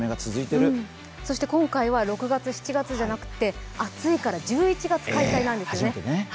今回は６月、７月じゃなくて、暑いから１１月開会なんです。